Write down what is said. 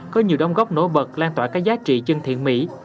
có nhiều đồng gốc nổi bật lan tỏa các giá trị chân thiện mỹ